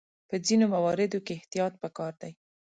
په ځینو مواردو کې احتیاط پکار دی.